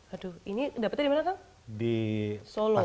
aduh ini dapatnya dimana kang